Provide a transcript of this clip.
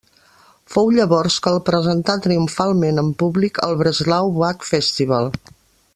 Fou llavors que el presentà triomfalment en públic al Breslau Bach Festival.